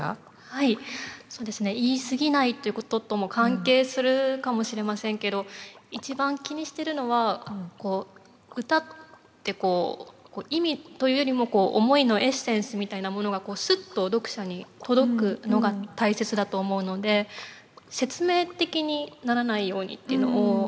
はいそうですね言い過ぎないっていうこととも関係するかもしれませんけど一番気にしてるのは歌って意味というよりも思いのエッセンスみたいなものがスッと読者に届くのが大切だと思うので説明的にならないようにっていうのを自分では気を付けています。